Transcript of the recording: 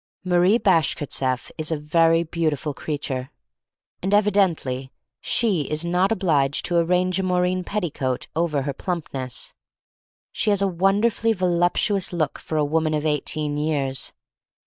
Marie Bashkirtseff is a very beautiful creature. And evidently she is not obliged to arrange a moreen petticoat over her plumpness. She has a won derfully voluptuous look for a woman of eighteen years.